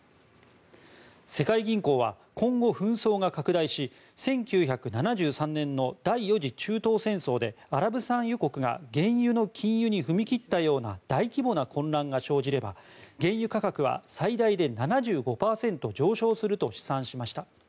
世界銀行は今後、紛争が拡大し１９７３年の第４次中東戦争でアラブ産油国が原油の禁輸に踏み切ったような大規模な混乱が生じれば原油価格は最大で７５％上昇すると試算しました。